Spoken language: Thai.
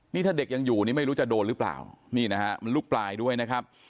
นี่ถ้าเด็กยังอยู่นี่ไม่รู้จะโดนหรือเปล่านี่นะฮะมันลูกปลายด้วยนะครับ